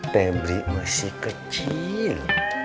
pebli masih kecil